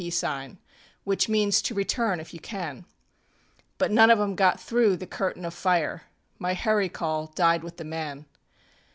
P. sign, Which means to return if you can, But none of ŌĆÖem got through the curtain of fire; My hurry call died with the man.